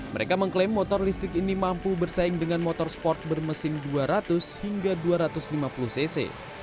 mereka mengklaim motor listrik ini mampu bersaing dengan motor sport bermesin dua ratus hingga dua ratus lima puluh cc